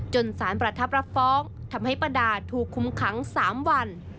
จนสานประทับลับฟ้องทำให้ปะดาห์ถูกคุมคัง๓วัน